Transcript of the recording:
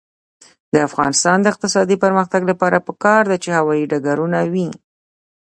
د افغانستان د اقتصادي پرمختګ لپاره پکار ده چې هوايي ډګرونه وي.